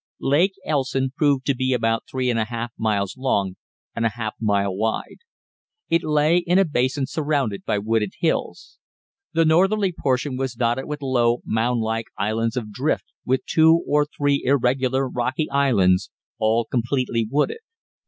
Lake Elson proved to be about three and a half miles long and a half mile wide. It lay in a basin surrounded by wooded hills. The northerly portion was dotted with low, mound like islands of drift, with two or three irregular, rocky islands, all completely wooded.